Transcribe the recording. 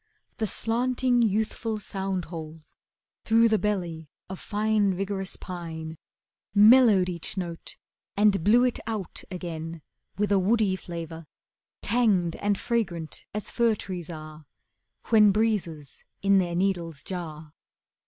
The slanting, youthful sound holes through The belly of fine, vigorous pine Mellowed each note and blew It out again with a woody flavour Tanged and fragrant as fir trees are When breezes in their needles jar.